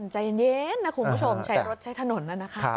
ใจเย็นนะคุณผู้ชมใช้รถใช้ถนนน่ะนะคะ